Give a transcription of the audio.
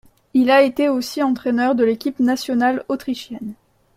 Il a été aussi entraîneur de l'équipe nationale autrichienne.